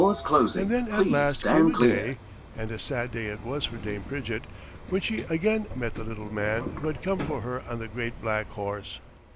And then at last came a day (and a sad day it was for Dame Pridgett) when she again met the little man who had come for her on the great black horse.